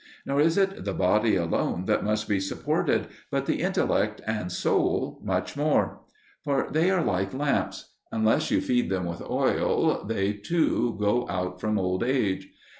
Nor is it the body alone that must be supported, but the intellect and soul much more. For they are like lamps: unless you feed them with oil, they too go out from old age.